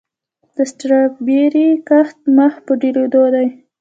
د سټرابیري کښت مخ په ډیریدو دی.